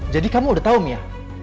jadi kamu udah tahu mia